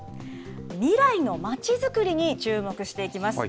未来のまちづくりに注目していきます。